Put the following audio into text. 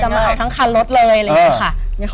จะมาเอาทั้งคันรถเลยเลยค่ะ